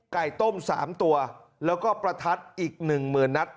ไก่ต้มสามตัวแล้วก็ประทัดอีกหนึ่งหมื่นนัด